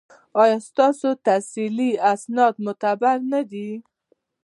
ایا ستاسو تحصیلي اسناد معتبر نه دي؟